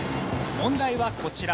問題はこちら。